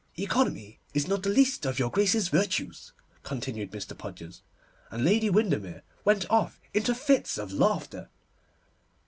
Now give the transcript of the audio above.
'Economy is not the least of your Grace's virtues,' continued Mr. Podgers, and Lady Windermere went off into fits of laughter.